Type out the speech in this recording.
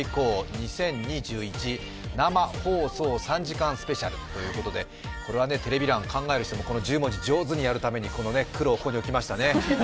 ２０２１生放送３時間スペシャル」ということで、これはテレビ欄考える人も１０文字を上手に置くためにうまく置きましたね。